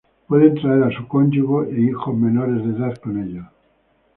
Pueden traer a su cónyuge e hijos menores de edad con ellos.